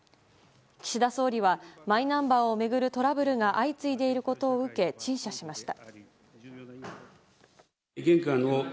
岸田総理はマイナンバーを巡るトラブルが相次いでいることを受け陳謝しました。